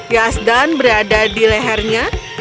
yazdan berada di lehernya